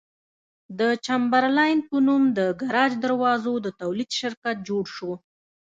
د چمبرلاین په نوم د ګراج دروازو د تولید شرکت جوړ شو.